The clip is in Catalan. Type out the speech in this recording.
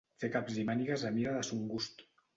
Fer caps i mànigues a mida de son gust.